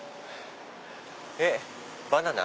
「えっ⁉バナナ？」。